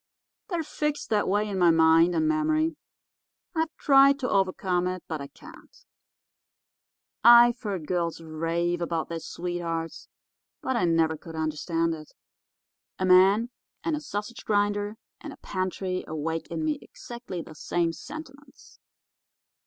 They're fixed that way in my mind and memory. I've tried to overcome it, but I can't. I've heard girls rave about their sweethearts, but I never could understand it. A man and a sausage grinder and a pantry awake in me exactly the same sentiments.